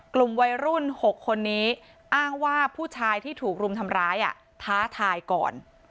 กลุ่มวัยรุ่น๖คนนี้อ้างว่าผู้ชายที่ถูกรุมทำร้ายท้าทายก่อน